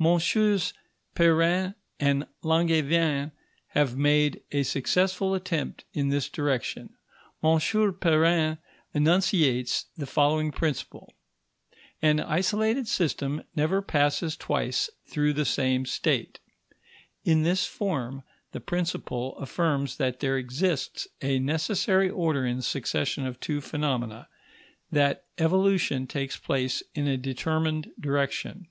MM. Perrin and Langevin have made a successful attempt in this direction. M. Perrin enunciates the following principle: An isolated system never passes twice through the same state. In this form, the principle affirms that there exists a necessary order in the succession of two phenomena; that evolution takes place in a determined direction.